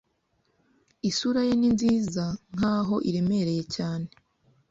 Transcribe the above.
Isura ye ni nziza nkaho iremereye cyane